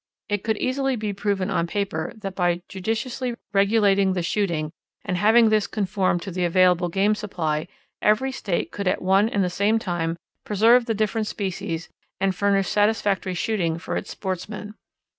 It could easily be proven on paper that by judiciously regulating the shooting, and having this conform to the available game supply, every state could at one and the same time preserve the different species, and furnish satisfactory shooting for its sportsmen.